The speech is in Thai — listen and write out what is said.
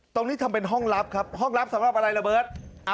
ตรงนี้ทำเป็นห้องลับครับห้องลับสำหรับอะไรระเบิร์ต